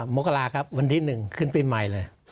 โมะกะลาครับวันที่หนึ่งขึ้นฟิ้นใหม่เลย